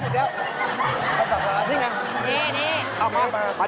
นี่ไง